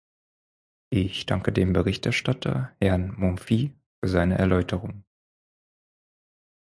Ich danke dem Berichterstatter, Herrn Monfils, für seine Erläuterungen.